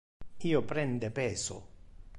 Io prende peso.